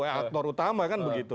aktor utama kan begitu